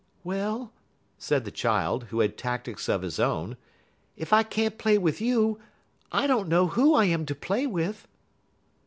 "Well," said the child, who had tactics of his own, "if I can't play with you, I don't know who I am to play with."